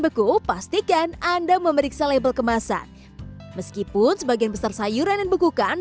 beku pastikan anda memeriksa label kemasan meskipun sebagian besar sayuran yang dibekukan